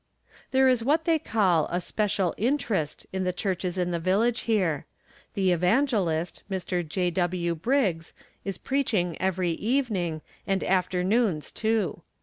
There is what they call a special interest in the churches in the village here. The evangelist, Rev. J. W. Briggs, is preaching every evening, and afternoons too.